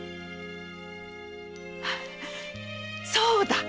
そうだ！